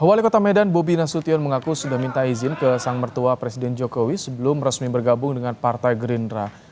wali kota medan bobi nasution mengaku sudah minta izin ke sang mertua presiden jokowi sebelum resmi bergabung dengan partai gerindra